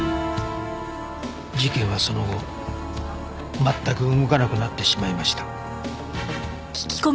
事件はその後全く動かなくなってしまいました